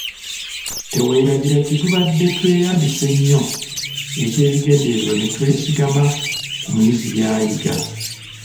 Teweerabira kye tubadde tweyambisa ennyo eky'ebigendererwa ne twesigama ku muyizi by'ayiga.